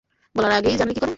বলার আগেই জানলে কী করে?